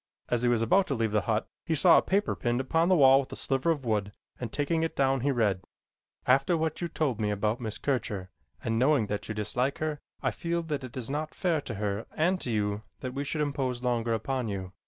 As he was about to leave the hut he saw a paper pinned upon the wall with a sliver of wood and taking it down, he read: After what you told me about Miss Kircher, and knowing that you dislike her, I feel that it is not fair to her and to you that we should impose longer upon you.